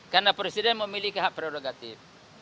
karena presiden memiliki hak prerogatif